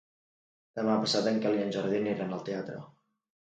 Demà passat en Quel i en Jordi aniran al teatre.